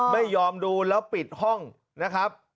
ไม่ยอมดูแล้วปิดห้องนะครับ